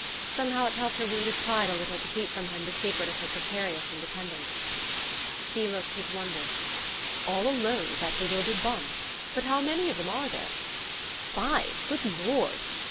Somehow it helped her wounded pride a little to keep from him the secret of her precarious independence. He looked his wonder. "All alone with that bewildered bonne? But how many of them are there? Five? Good Lord!"